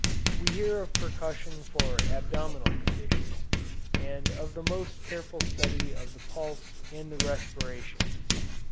We hear of percussion for abdominal conditions, and of the most careful study of the pulse and the respiration.